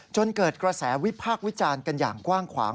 จนเกิดกระแสวิพากษ์วิจารณ์กันอย่างกว้างขวาง